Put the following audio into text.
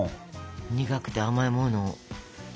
苦くて甘いもの。